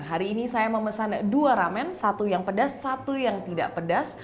hari ini saya memesan dua ramen satu yang pedas satu yang tidak pedas